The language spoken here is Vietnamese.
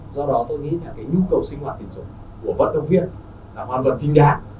do đó tôi nghĩ là cái nhu cầu sinh hoạt tiền sống của vận động viên là hoàn toàn trinh đáng